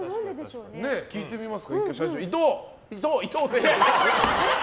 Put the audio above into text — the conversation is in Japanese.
聞いてみますか、伊藤！